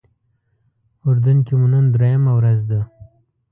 اردن کې مو نن درېیمه ورځ ده.